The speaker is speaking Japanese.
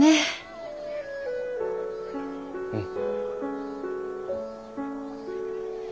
うん。